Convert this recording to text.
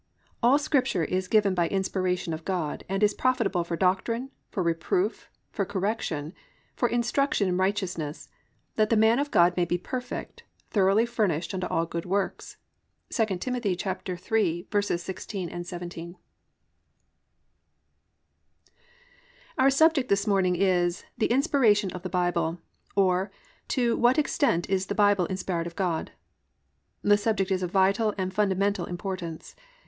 "All Scripture is given by inspiration of God, and is profitable for doctrine, for reproof, for correction, for instruction in righteousness; that the man of God may be perfect, thoroughly furnished unto all good works."—2 Tim. 3:16, 17. Our subject this morning is "The Inspiration of the Bible, or to What Extent Is the Bible Inspired of God?" The subject is of vital and fundamental importance.